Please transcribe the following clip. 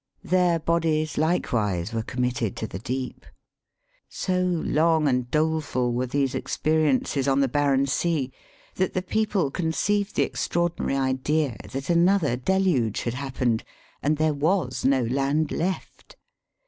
Their bodies likewise, were committed to the deep. So long and doleful were these expe riences on the barren sea, that the people conceived the extraordinary idea that another deluge had happened, and there was no land left.